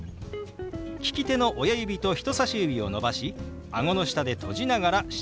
利き手の親指と人さし指を伸ばしあごの下で閉じながら下へ動かします。